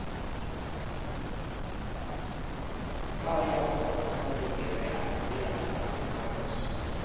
He is the elder brother of Rear Admiral Alberto Carlos.